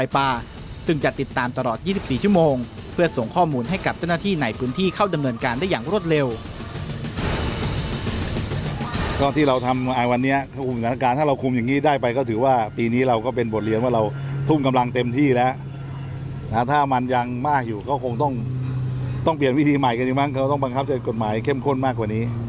ปืนที่เข้าดำเนินการได้อย่างรวดเร็ว